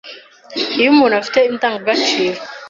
Iyo umuntu afite indangagaciro